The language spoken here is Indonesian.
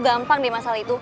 gampang deh masalah itu